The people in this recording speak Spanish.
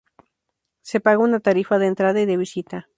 Se paga una tarifa de entrada y de visita.